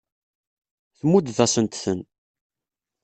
Tmuddeḍ-asent-ten.